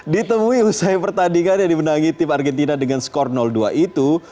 ditemui usai pertandingan yang dimenangi tim argentina dengan skor dua itu